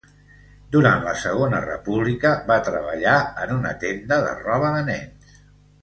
Durant la segona República va treballar en una tenda de roba de nens.